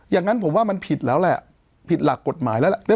อย่างนั้นผมว่ามันผิดแล้วแหละผิดหลักกฎหมายแล้วแหละ